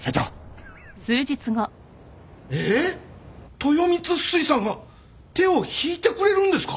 豊光水産が手を引いてくれるんですか？